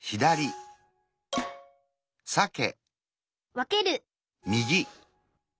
わける